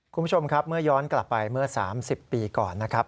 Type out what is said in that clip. คุณผู้ชมครับเมื่อย้อนกลับไปเมื่อ๓๐ปีก่อนนะครับ